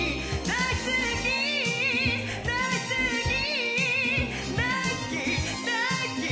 大好き大好き！